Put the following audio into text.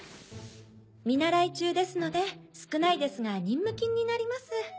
見習い中ですので少ないですが任務金になります。